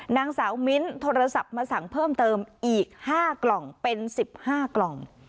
นางสาวมิ้นโทรศัพท์มาสั่งเพิ่มเติมอีก๕กล่องเป็น๑๕กล่อง